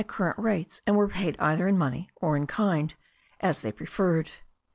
current rates, and were paid either in money or in kind, as they preferred.